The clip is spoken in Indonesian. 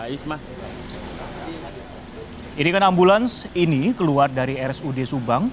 irikan ambulans ini keluar dari rsud subang